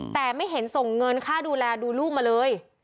แต่ไม่เห็นส่งเงินค่าดูแลดูลูกมาเลย